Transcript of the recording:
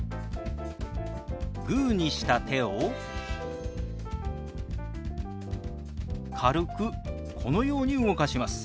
グーにした手を軽くこのように動かします。